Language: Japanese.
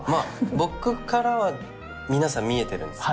僕からは皆さん見えてるんですよ